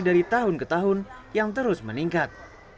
dari tahun ke tahun yang terus meningkat